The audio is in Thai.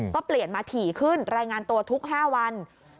ก็เปลี่ยนมาถี่ขึ้นรายงานตัวทุก๕วัน